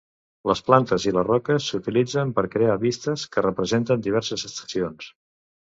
Les plantes i les roques s'utilitzen per crear vistes que representen diverses estacions.